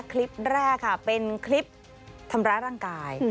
คลิปแรกค่ะเป็นคลิปทำร้ายร่างกาย